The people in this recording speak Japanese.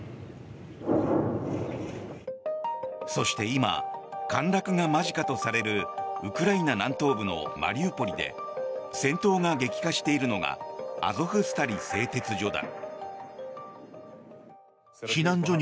そして今、陥落が間近とされるウクライナ南東部のマリウポリで戦闘が激化しているのがアゾフスタリ製鉄所だ。